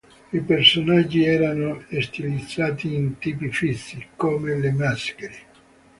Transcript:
I personaggi erano stilizzati in tipi fissi, come le maschere.